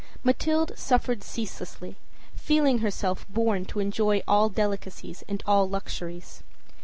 Mathilde suffered ceaselessly, feeling herself born to enjoy all delicacies and all luxuries.